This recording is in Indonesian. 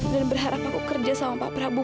dan berharap aku kerja sama pak prabu